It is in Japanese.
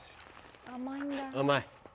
甘い。